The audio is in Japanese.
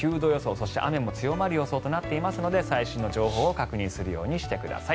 そして雨も強まる予想となっていますので最新の情報を確認するようにしてください。